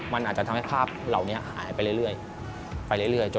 มันอาจจะทำให้ภาพเหล่านี้หายไปเรื่อย